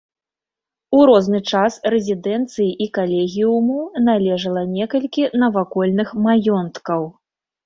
У розны час рэзідэнцыі і калегіуму належала некалькі навакольных маёнткаў.